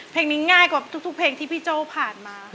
เพลงนี้ง่ายกว่าทุกเพลงที่พี่โจ้ผ่านมา